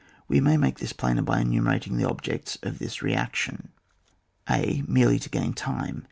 We may make this plainer by enumerating the objects of this reaction. a. Merely to gain time.